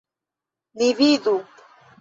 Ni vidu!